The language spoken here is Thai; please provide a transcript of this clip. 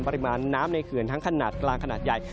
ปริมาณน้ำในเขื่อนทั้งขนาดกลางขนาดใหญ่